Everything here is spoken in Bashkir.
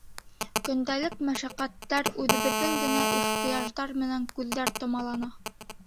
Көндәлек мәшәҡәттәр, үҙебеҙҙең генә ихтыяждар менән күҙҙәр томалана.